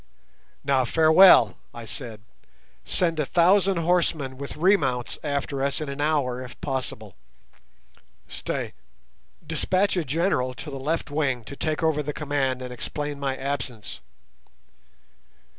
"Now farewell," I said. "Send a thousand horsemen with remounts after us in an hour if possible. Stay, despatch a general to the left wing to take over the command and explain my absence."